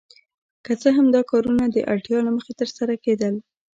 که څه هم دا کارونه د اړتیا له مخې ترسره کیدل.